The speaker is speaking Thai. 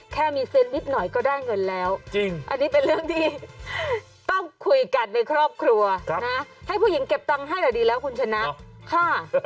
แค่มีเซ็ตนิดหน่อยก็ได้เงินแล้วจริงอันนี้เป็นเรื่องที่ต้องคุยกันในครอบครัวนะให้ผู้หญิงเก็บตังค์ให้แต่ดีแล้วคุณชนะค่ะ